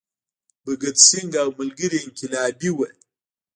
بهګت سینګ او ملګري یې انقلابي وو.